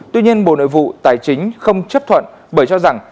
tuy nhiên bộ nội vụ tài chính không chấp thuận bởi cho rằng